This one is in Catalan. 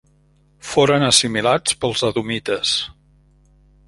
Foren assimilats pels edomites.